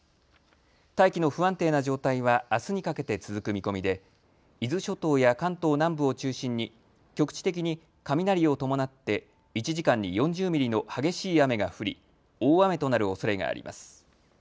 大気の不安定な状態はあすにかけて続く見込みで伊豆諸島や関東南部を中心に局地的に雷を伴って１時間に４０ミリの激しい雨が降り大雨となるおそれがあります。